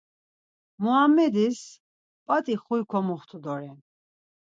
Muamedis p̌at̆i xuy komuxtu doren.